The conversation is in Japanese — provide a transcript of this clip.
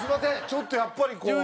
ちょっとやっぱりこう。